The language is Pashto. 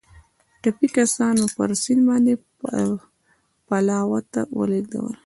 ټپي کسان مو پر سیند باندې پلاوا ته ولېږدول.